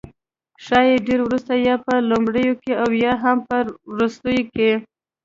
ښايي ډیر وروسته، یا په لومړیو کې او یا هم په وروستیو کې